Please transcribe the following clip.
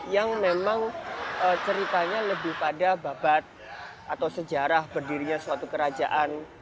yang memang ceritanya lebih pada babat atau sejarah berdirinya suatu kerajaan